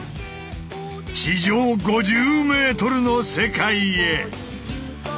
地上５０ｍの世界へ！